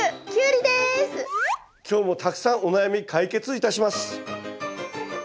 今日もたくさんお悩み解決いたします。